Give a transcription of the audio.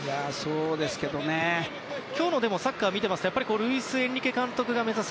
でも今日のサッカーを見ていますとルイス・エンリケ監督が目指す